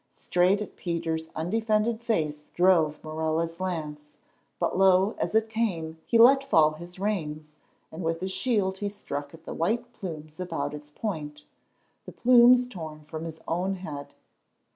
Straight at Peter's undefended face drove Morella's lance, but lo! as it came he let fall his reins and with his shield he struck at the white plumes about its point, the plumes torn from his own head.